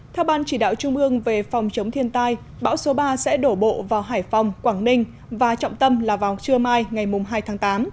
theo ban chỉ đạo trung ương về phòng chống thiên tai bão số ba sẽ đổ bộ vào hải phòng quảng ninh và trọng tâm là vào trưa mai ngày hai tháng tám